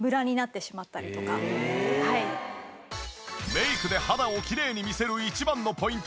メイクで肌をきれいに見せる一番のポイント